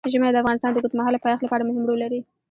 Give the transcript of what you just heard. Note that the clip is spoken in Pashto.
ژمی د افغانستان د اوږدمهاله پایښت لپاره مهم رول لري.